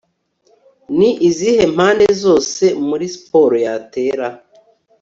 ni izihe mpande zose, muri siporo yatera